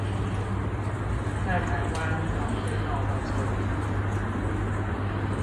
在台灣早被罵到臭頭